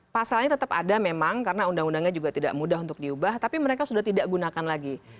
pasalnya tetap ada memang karena undang undangnya juga tidak mudah untuk diubah tapi mereka sudah tidak gunakan lagi